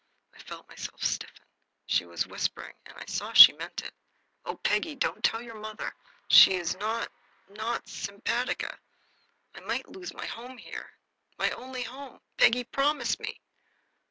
I felt myself stiffen. She was whispering, and I saw she meant it. "Oh, Peggy! don't tell your mother. She is not not simpatica. I might lose my home here, my only home. Peggy, promise me."